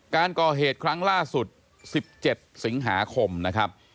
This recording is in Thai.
การก่อเหตุครั้งล่าสุด๑๗สิงหาคมนะครับ